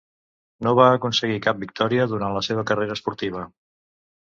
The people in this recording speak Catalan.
No va aconseguir cap victòria durant la seva carrera esportiva.